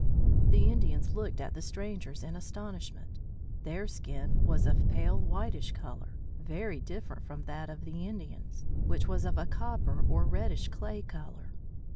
The Indians looked at the strangers in astonishment. Their skin was of a pale, whitish color, very different from that of the Indians, which was of a copper or reddish clay color.